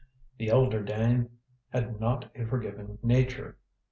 The elder Dane had not a forgiving nature.